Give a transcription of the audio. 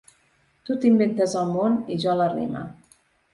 Tu t’inventes el món i jo la rima.